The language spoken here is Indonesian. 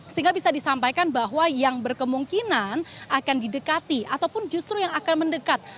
sehingga bisa disampaikan bahwa yang berkemungkinan akan didekati ataupun justru yang akan mendekat